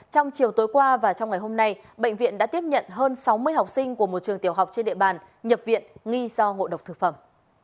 trong chiều tối qua và trong ngày hôm nay bệnh viện đã tiếp nhận hơn sáu mươi học sinh của một trường tiểu học trên địa bàn nhập viện nghi do ngộ độc thực phẩm